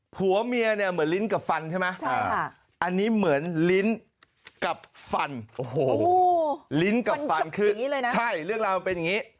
ผัวเมียเนี่ยเหมือนลิ้นกับฟันใช่ไหมอันนี้เหมือนลิ้นกับฟันโอ้โหลิ้นกับฟันคือใช่เรื่องราวมันเป็นอย่างนี้